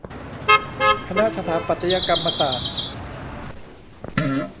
คณะสถาปัตยกรรมศาสตร์